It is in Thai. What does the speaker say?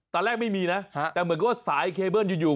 ไม่มีนะแต่เหมือนกับว่าสายเคเบิ้ลอยู่